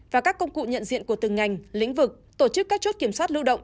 và các công cụ nhận diện của từng ngành lĩnh vực tổ chức các chốt kiểm soát lưu động